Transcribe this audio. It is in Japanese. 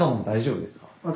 大丈夫です。